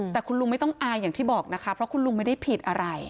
แต่คุณลุงไม่ต้องอายอย่างที่บอกนะคะเพราะคุณลุงไม่ได้ผิดอะไร